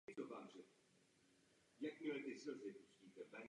Na různých částech budovy jsou rozptýlené dobře patrné kamenické značky.